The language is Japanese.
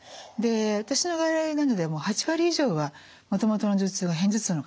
私の外来などでも８割以上はもともとの頭痛は片頭痛の方ですね。